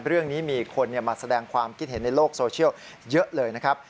เรื่องนี้มีคนมาแสดงความคิดเห็นในโลกโซเชียลเยอะเลยนะครับ